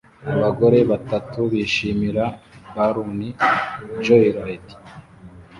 Abagore batatu bishimira ballon joyride